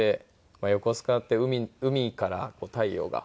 横須賀って海から太陽が。